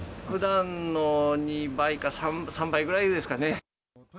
ふだんの２倍か３倍ぐらいですかね。